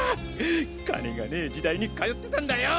金がねぇ時代に通ってたんだよ。